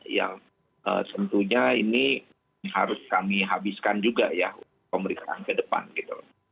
yang tentunya ini harus kami habiskan juga ya pemeriksaan ke depan gitu